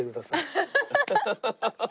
ハハハハ！